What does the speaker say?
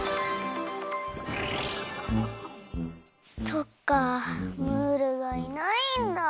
そっかムールがいないんだ。